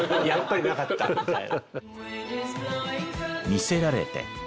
「魅せられて」